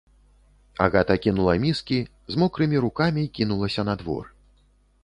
Агата кінула міскі, з мокрымі рукамі кінулася на двор.